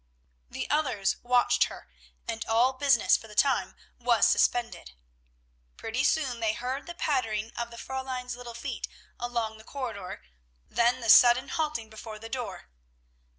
The others watched her, and all business for the time was suspended. Pretty soon they heard the pattering of the Fräulein's little feet along the corridor, then the sudden halting before their door.